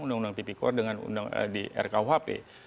undang undang ppkor dengan undang di rukhp